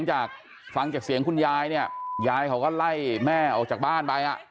จากฟังจากเสียงคุณยายเนี่ยยายเขาก็ไล่แม่ออกจากบ้านไปอ่ะ